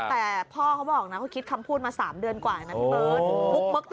แต่พ่อเขาบอกนะเขาคิดคำพูดมา๓เดือนกว่านะพี่เบิร์ต